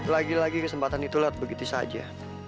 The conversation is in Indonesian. lagi lagi kesempatan itu lihat begitu saja